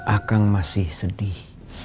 akang masih sedih